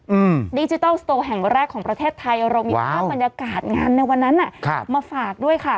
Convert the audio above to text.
อืมดิจิทัลสโตแห่งแรกของประเทศไทยเรามีภาพบรรยากาศงานในวันนั้นอ่ะครับมาฝากด้วยค่ะ